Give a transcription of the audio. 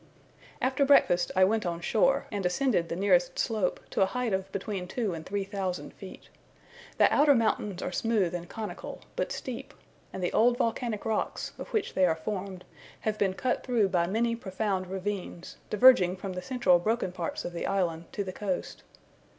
After breakfast I went on shore, and ascended the nearest slope to a height of between two and three thousand feet. The outer mountains are smooth and conical, but steep; and the old volcanic rocks, of which they are formed, have been cut through by many profound ravines, diverging from the central broken parts of the island to the coast.